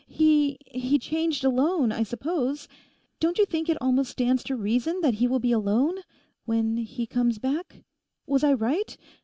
He—he changed alone, I suppose. Don't you think it almost stands to reason that he will be alone...when he comes back? Was I right?